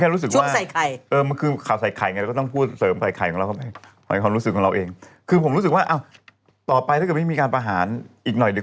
แล้วก็ต้องพูดเสริมใส่ไข่ของเราเข้าไป